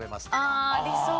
ああありそう。